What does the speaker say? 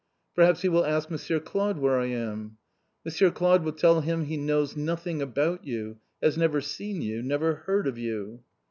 "Perhaps he will ask Monsieur Claude where I am?" "Monsieur Claude will tell him he knows nothing about you, has never seen you, never heard of you!"